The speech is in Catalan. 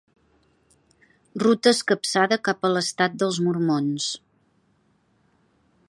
Ruta escapçada cap a l'estat dels mormons.